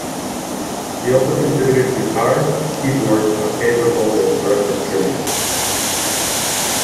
He also contributed guitar, keyboards and occasional vocals during this period.